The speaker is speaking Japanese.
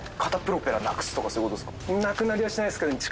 なくなりはしないですけど。